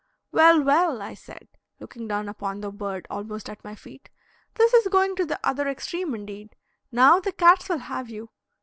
"Well, well," I said, looking down upon the bird almost at my feet, "this is going to the other extreme indeed; now, the cats will have you."